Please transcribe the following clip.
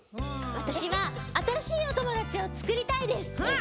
わたしはあたらしいおともだちをつくりたいです。